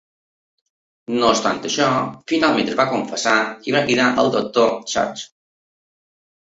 No obstant això, finalment es va confessar i va cridar al Doctor Church.